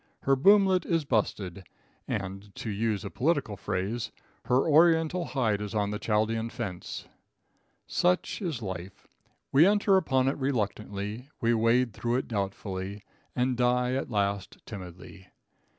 Her boomlet is busted, and, to use a political phrase, her oriental hide is on the Chaldean fence. Such is life. We enter upon it reluctantly; we wade through it doubtfully, and die at last timidly.